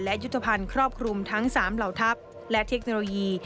และยุทธภัณฑ์ครอบคลุมทั้ง๓เหล่าทัพและเทคโนโลยี